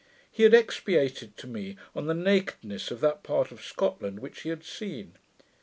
He had expatiated to me on the nakedness of that part of Scotland which he had seen.